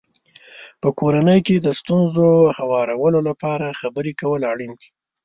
په کورنۍ کې د ستونزو هوارولو لپاره خبرې کول اړین دي.